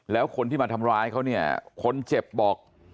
แล้วคนที่มาทำร้ายเขาเนี่ยคนเจ็บบอก